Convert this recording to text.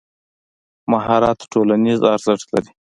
مهارت ټولنیز ارزښت لري.